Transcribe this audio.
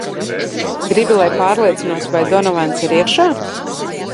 Gribi, lai pārliecinos, vai Donavans ir iekšā?